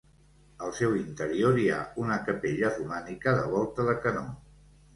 Al seu interior hi ha una capella romànica de volta de canó.